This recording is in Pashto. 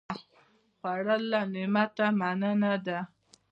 خوړل له نعمته مننه ده